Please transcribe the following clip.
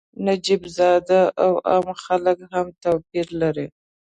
نجیب زاده او عام خلک هم توپیر لري.